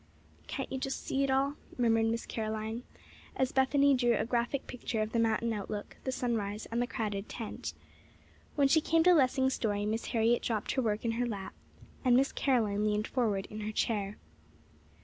"Can't you just see it all?" murmured Miss Caroline, as Bethany drew a graphic picture of the mountain outlook, the sunrise, and the crowded tent. When she came to Lessing's story, Miss Harriet dropped her work in her lap, and Miss Caroline leaned forward in her chair.